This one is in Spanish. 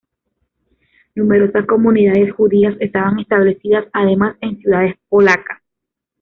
Numerosas comunidades judías estaban establecidas, además, en ciudades polacas.